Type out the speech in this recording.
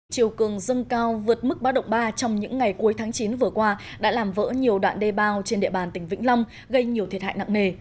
chiều cường dâng cao vượt mức báo động ba trong những ngày cuối tháng chín vừa qua đã làm vỡ nhiều đoạn đê bao trên địa bàn tỉnh vĩnh long gây nhiều thiệt hại nặng nề